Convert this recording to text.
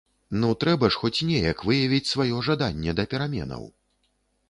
Ну трэба ж хоць неяк выявіць сваё жаданне да пераменаў?